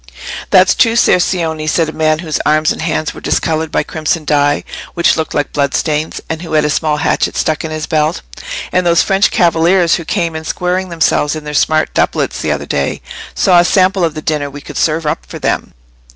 "That's true, Ser Cioni," said a man whose arms and hands were discoloured by crimson dye, which looked like blood stains, and who had a small hatchet stuck in his belt; "and those French cavaliers, who came in squaring themselves in their smart doublets the other day, saw a sample of the dinner we could serve up for them.